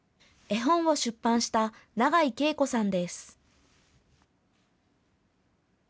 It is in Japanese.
絵本を出版した永井恵子さんです。